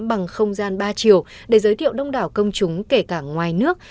bằng không gian ba chiều để giới thiệu đông đảo công chúng kể cả ngoài nước